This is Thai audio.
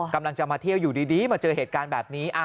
กำลังจะมาเที่ยวอยู่ดีมาเจอเหตุการณ์แบบนี้